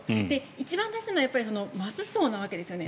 一番大事なのはマス層なわけですよね。